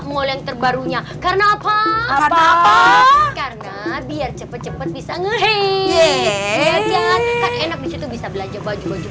mall yang terbarunya karena apa apa karena biar cepet cepet bisa ngehek enak bisa belajar baju baju